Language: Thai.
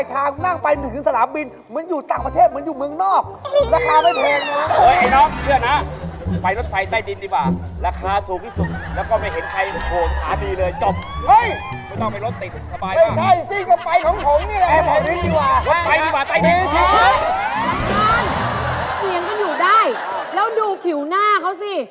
ธรรมดาน้องโอกหากจากผู้หญิงไทยใช่ป่ะ